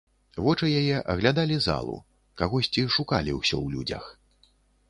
Вочы яе аглядалі залу, кагосьці шукалі ўсё ў людзях.